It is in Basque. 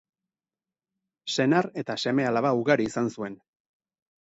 Senar eta seme-alaba ugari izan zuen.